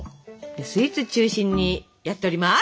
スイーツ中心にやっております！